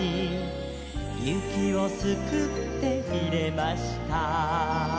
「雪をすくって入れました」